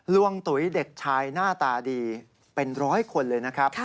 วงตุ๋ยเด็กชายหน้าตาดีเป็นร้อยคนเลยนะครับ